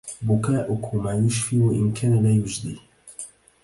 بكاؤكما يشفي وإن كان لا يجدي